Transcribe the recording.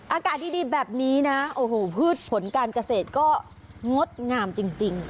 อากาศดีแบบนี้นะโอ้โหพืชผลการเกษตรก็งดงามจริง